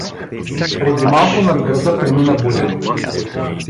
Преди малко над града премина буря.